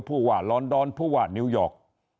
ภูวะลอนดอนภูวะนิวยอร์ก